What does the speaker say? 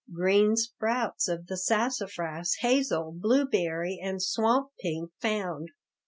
Green sprouts of the sassafras, hazel, blueberry, and swamp pink found.